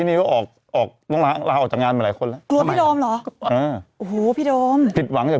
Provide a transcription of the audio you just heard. ไม่จะรู้จักแบบน้องโดมเลยโดมอันตราย